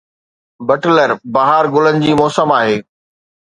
Butler! بهار گلن جي موسم آهي